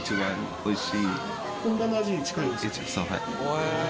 おいしい！